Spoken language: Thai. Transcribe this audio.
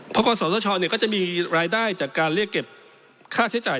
เพราะกศธชก็จะมีรายได้จากการเรียกเก็บค่าใช้จ่าย